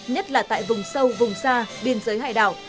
nhất là tại vùng sâu vùng xa biên giới hải đảo